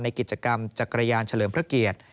กิจกรรมจักรยานเฉลิมพระเกียรติ